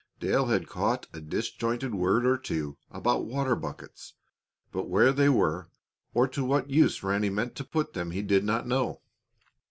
Dale had caught a disjointed word or two about water buckets, but where they were or to what use Ranny meant to put them he did not know.